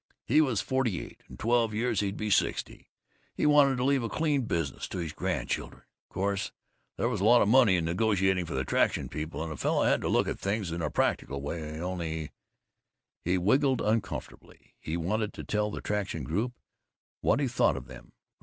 He was forty eight; in twelve years he'd be sixty; he wanted to leave a clean business to his grandchildren. Course there was a lot of money in negotiating for the Traction people, and a fellow had to look at things in a practical way, only " He wriggled uncomfortably. He wanted to tell the Traction group what he thought of them.